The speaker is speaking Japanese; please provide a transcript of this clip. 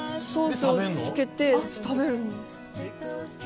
ソースを付けて食べるんです。